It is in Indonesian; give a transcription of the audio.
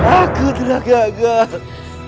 aku telah gagal